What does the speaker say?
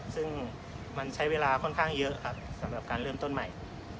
ซึ่งมันใช้เวลาค่อนข้างเยอะครับสำหรับการเริ่มต้นใหม่